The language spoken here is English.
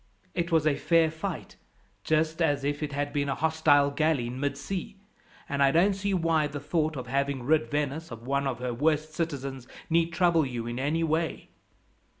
It was a fair fight, just as if it had been a hostile galley in mid sea; and I don't see why the thought of having rid Venice of one of her worst citizens need trouble you in any way."